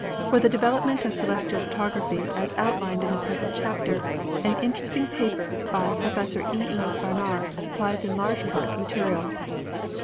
For the development of celestial photography as outlined in the present chapter an interest ing paper by Professor E. E. Barnard supplies in large part the material.